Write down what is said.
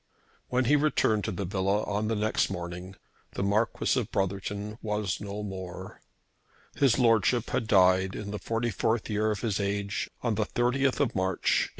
When he returned to the villa on the next morning the Marquis of Brotherton was no more. His Lordship had died in the 44th year of his age, on the 30th March, 187